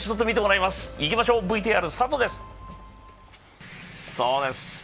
いきましょう、ＶＴＲスタートですそうです、